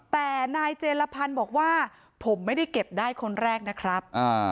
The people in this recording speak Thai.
แต่นายเจรพันธ์บอกว่าผมไม่ได้เก็บได้คนแรกนะครับ